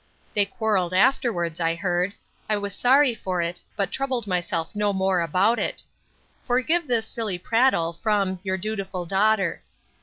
They quarrelled afterwards, I heard: I was sorry for it, but troubled myself no more about it. Forgive this silly prattle, from Your dutiful DAUGHTER.